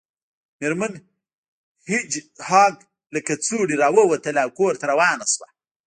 میرمن هیج هاګ له کڅوړې راووتله او کور ته روانه شوه